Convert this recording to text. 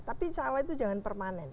tapi salah itu jangan permanen